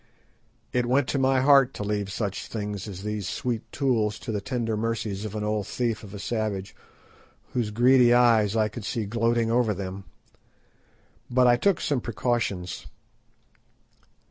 It went to my heart to leave such things as those sweet tools to the tender mercies of an old thief of a savage whose greedy eyes I could see gloating over them. But I took some precautions.